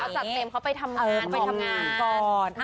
เขาจัดเต็มเข้าไปทำงาน